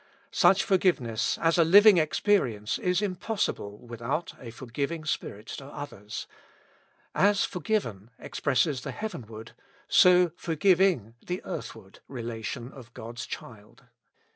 Such forgiveness as a living experience, is impossible without a for giving spirit to others; as forgiven expresses the heavenward, ^o forgiving the earthward, relation of God's child.